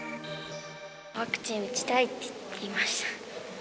ワクチン打ちたいって言いました。